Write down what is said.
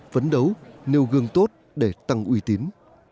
phấn đấu nêu gương tốt để tăng uy tín